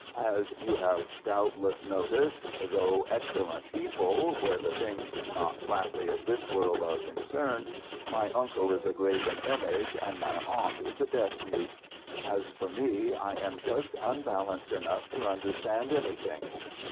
As you have doubtless noticed, though excellent people where the things not flatly of this world are concerned, my uncle is a graven image and my aunt is a deaf mute. As for me, I am just unbalanced enough to understand anything."